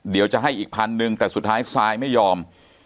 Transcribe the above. เดี๋ยวจะให้อีกพันหนึ่งแต่สุดท้ายซายไม่ยอม